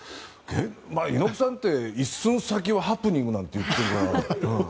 猪木さんって、一寸先はハプニングなんて言ってるから。